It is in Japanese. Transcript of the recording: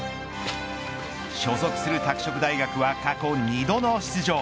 所属する拓殖大学は過去２度の出場。